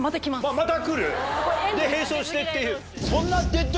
また来る？で並走してっていう。